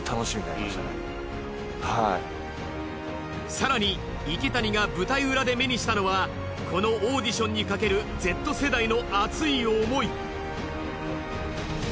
更に池谷が舞台裏で目にしたのはこのオーディションにかけるＺ世代の熱い思い。